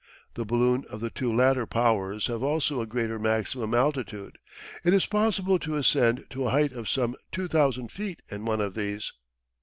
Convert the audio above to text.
The balloons of the two latter Powers have also a greater maximum altitude; it is possible to ascend to a height of some 2,000 feet in one of these.